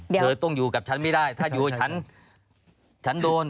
เธอต้องอยู่กับฉันไม่ได้ถ้าอยู่กับฉันฉันโดน